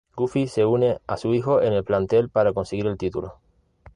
Goofy se une a su hijo en el plantel para conseguir el título.